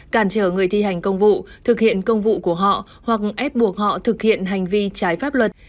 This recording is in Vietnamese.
cản trở người thi hành công vụ thực hiện công vụ của họ hoặc ép buộc họ thực hiện hành vi trái pháp luật